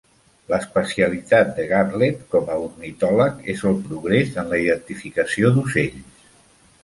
L'especialitat de Gantlett com a ornitòleg és el progrés en la identificació d'ocells.